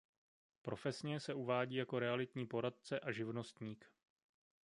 Profesně se uvádí jako realitní poradce a živnostník.